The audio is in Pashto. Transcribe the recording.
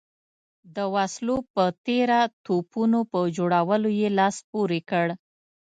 د وسلو په تېره توپونو په جوړولو یې لاس پورې کړ.